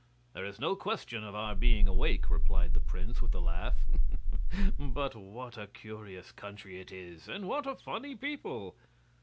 "There is no question of our being awake," replied the prince, with a laugh. "But what a curious country it is and what a funny people!"